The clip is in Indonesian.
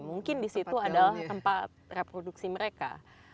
mungkin di situ adalah tempat reproduksi mereka